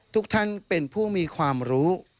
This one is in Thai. ทุกท่านเป็นผู้มีความรู้